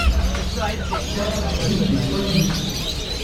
quatre route de Poigny